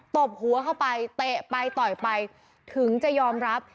ตบหัวเข้าไปเตะไปต่อยไปถึงจะยอมรับ